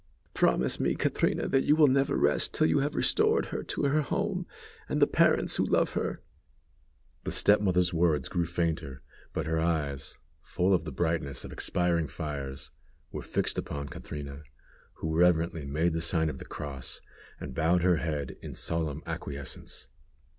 "Promise me, Catrina, that you will never rest till you have restored her to her home, and the parents who love her." The step mother's words grew fainter, but her eyes, full of the brightness of expiring fires, were fixed upon Catrina, who reverently made the sign of the cross, and bowed her head in solemn acquiescence.